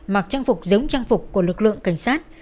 mặc trang phục giống trang phục của lực lượng cảnh sát